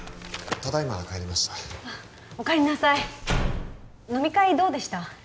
ただいま帰りましたお帰りなさい飲み会どうでした？